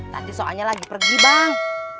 nanti soalnya lagi pergi bang